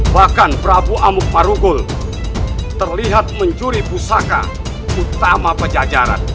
bahkan prabu amuk marugul terlihat mencuri pusaka utama pejajaran